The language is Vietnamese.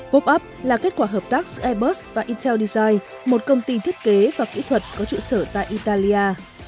pop up là kết quả hợp tác giữa airbus và intel deside một công ty thiết kế và kỹ thuật có trụ sở tại italia